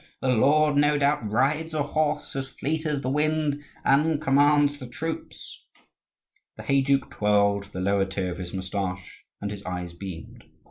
The lord no doubt rides a horse as fleet as the wind and commands the troops!" The heyduke twirled the lower tier of his moustache, and his eyes beamed.